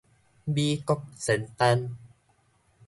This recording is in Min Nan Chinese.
米國仙丹